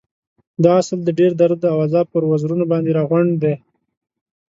دا عسل د ډېر درد او عذاب پر وزرونو باندې راغونډ دی.